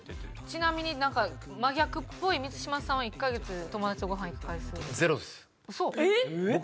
ちなみに真逆っぽい満島さんは１カ月友達とご飯行く回数？